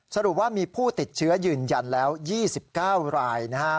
สรุปว่ามีผู้ติดเชื้อยืนยันแล้ว๒๙รายนะครับ